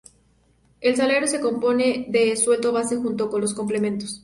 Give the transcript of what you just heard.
El salario se compone del sueldo base junto con los complementos.